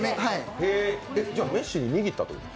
じゃ、メッシに握ったってこと？